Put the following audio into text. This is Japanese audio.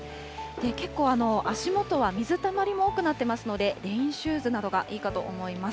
結構、足元は水たまりも多くなっていますので、レインシューズなどがいいかと思います。